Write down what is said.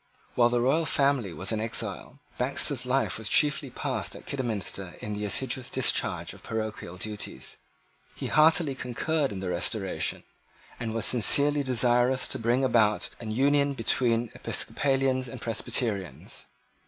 While the royal family was in exile, Baxter's life was chiefly passed at Kidderminster in the assiduous discharge of parochial duties. He heartily concurred in the Restoration, and was sincerely desirous to bring about an union between Episcopalians and Presbyterians.